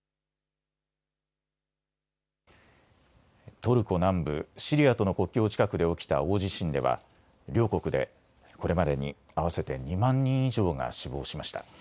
トルコ南部、シリアとの国境近くで起きた大地震では両国でこれまでに合わせて２万人以上が死亡しました。